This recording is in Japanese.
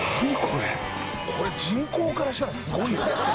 「これ人口からしたらすごいよ」